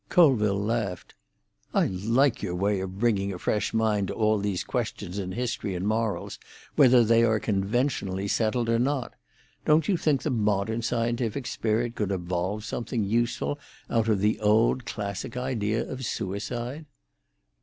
Colville laughed. "I like your way of bringing a fresh mind to all these questions in history and morals, whether they are conventionally settled or not. Don't you think the modern scientific spirit could evolve something useful out of the old classic idea of suicide?"